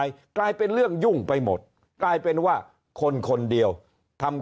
กันใหม่ยังไงได้เป็นเรื่องยุ่งไปหมดได้เป็นว่าคนคนเดียวทำ